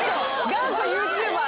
元祖ＹｏｕＴｕｂｅｒ。